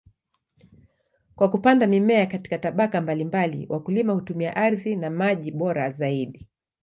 Kwa kupanda mimea katika tabaka mbalimbali, wakulima hutumia ardhi na maji bora zaidi.